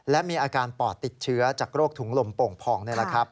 และมีอาการปอดติดเชื้อจากโรคถุงลมโป่งพองนี่แหละครับ